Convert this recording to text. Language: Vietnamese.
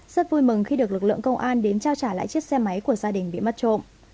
rất vui mừng khi được lực lượng công an đến trao trả lại chiếc xe máy của gia đình bị mất trộm